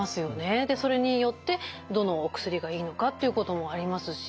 でそれによってどのお薬がいいのかっていうこともありますし。